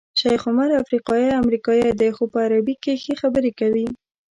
شیخ عمر افریقایی امریکایی دی خو په عربي کې ښې خبرې کوي.